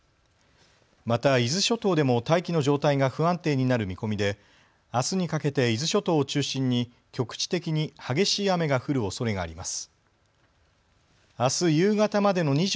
また伊豆諸島でも大気の状態が不安定になる見込みであすにかけて伊豆諸島を中心に局地的に激しい雨が降るおそれがあります。